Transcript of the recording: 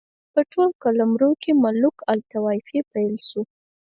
په ټول قلمرو کې ملوک الطوایفي پیل شوه.